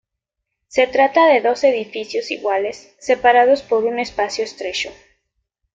Se trata de dos edificios iguales, separados por un espacio estrecho.